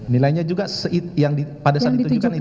nilainya juga yang pada saat ditunjukkan itu